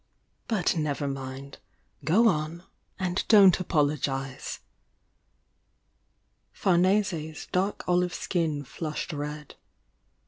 "But never mind ! Go on and dont apologise! Farnese's dark olive skin flushed red.